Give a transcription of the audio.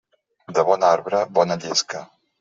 De bon arbre, bona llesca.